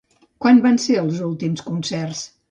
Quan van ser els últims concerts?